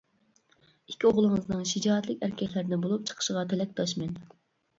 ئىككى ئوغلىڭىزنىڭ شىجائەتلىك ئەركەكلەردىن بولۇپ چىقىشىغا تىلەكداشمەن!